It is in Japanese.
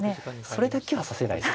それだけは指せないです。